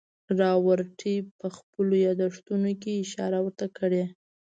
راورټي په خپلو یادښتونو کې اشاره ورته کړې.